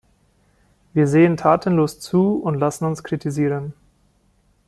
Wir sehen tatenlos zu und lassen uns kritisieren.